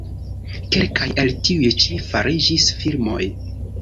Kelkaj el tiuj-ĉi fariĝis filmoj.